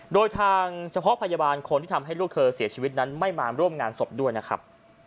โดยทางเฉพาะพยาบาลคนที่ทำให้ลูกเธอเสียชีวิตนั้นไม่มาร่วมงานศพด้วยนะครับ